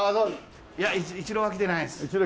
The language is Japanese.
いやイチローは来てないです。